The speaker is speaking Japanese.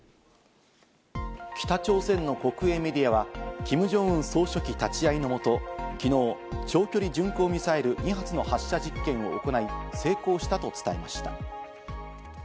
北朝鮮の国営メディアはキム・ジョンウン総書記立ち会いのもと昨日、長距離巡航ミサイル２発の発射実験を行い、成功したと伝えました。